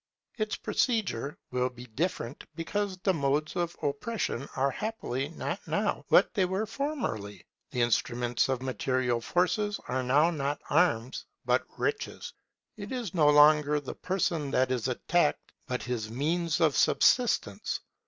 Its procedure will be different, because the modes of oppression are happily not now what they were formerly. The instruments of material force are now not arms, but riches. It is no longer the person that is attacked, but his means of subsistence.